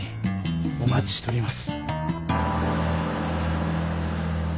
お待ちしております。